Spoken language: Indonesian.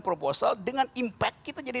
proposal dengan impact kita jadi